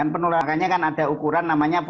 penularannya kan ada ukuran namanya